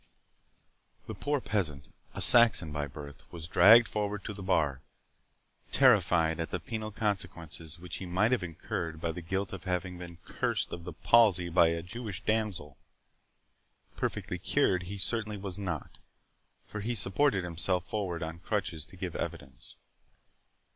The poor peasant, a Saxon by birth, was dragged forward to the bar, terrified at the penal consequences which he might have incurred by the guilt of having been cured of the palsy by a Jewish damsel. Perfectly cured he certainly was not, for he supported himself forward on crutches to give evidence.